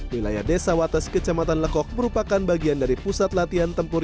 wilayah desa wates kecamatan lekok merupakan bagian dari pusat latihan tempur